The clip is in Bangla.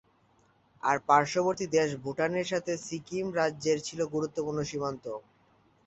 আর পার্শ্ববর্তী দেশ ভুটানের সাথে সিকিম রাজ্যের ছিল গুরুত্বপূর্ণ সীমান্ত।